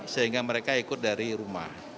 sehingga mereka ikut dari rumah